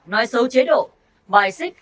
nói xấu chế độ bài xích